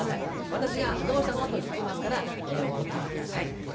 私が「どうしたの？」と聞きますからお答えください。